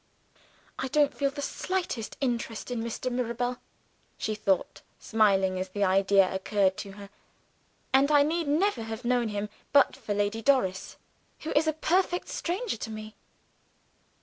"I don't feel the slightest interest in Mr. Mirabel," she thought, smiling as the idea occurred to her; "and I need never have known him, but for Lady Doris who is a perfect stranger to me."